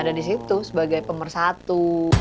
ada di situ sebagai pemersatu